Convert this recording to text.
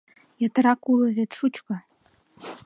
Ятырак уло вет, шучко.